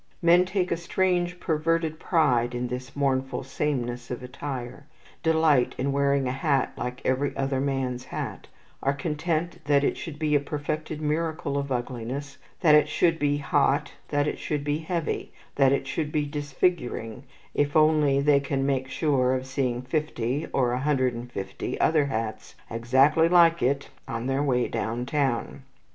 Men take a strange perverted pride in this mournful sameness of attire, delight in wearing a hat like every other man's hat, are content that it should be a perfected miracle of ugliness, that it should be hot, that it should be heavy, that it should be disfiguring, if only they can make sure of seeing fifty, or a hundred and fifty, other hats exactly like it on their way downtown.